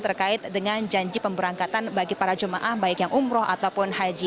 terkait dengan janji pemberangkatan bagi para jemaah baik yang umroh ataupun haji